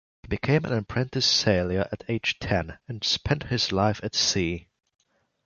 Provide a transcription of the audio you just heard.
He became an apprentice sailor at age ten, and spent his life at sea.